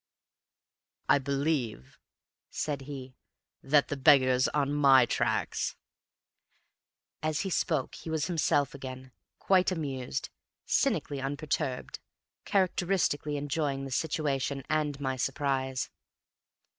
"I believe," said he, "that the beggar's on MY tracks!" And as he spoke he was himself again quietly amused cynically unperturbed characteristically enjoying the situation and my surprise.